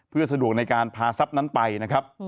เพื่อสะดวกในการพาทรัพย์นั้นไปนะครับ